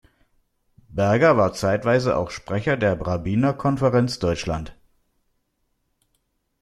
Berger war zeitweise auch Sprecher der Rabbinerkonferenz Deutschland.